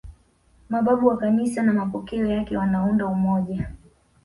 Mababu wa Kanisa na mapokeo yake wanaunda umoja